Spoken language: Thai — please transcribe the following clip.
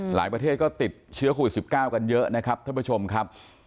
ประเทศก็ติดเชื้อโควิด๑๙กันเยอะนะครับท่านผู้ชมครับ